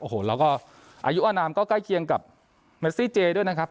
โอ้โหแล้วก็อายุอนามก็ใกล้เคียงกับเมซี่เจด้วยนะครับ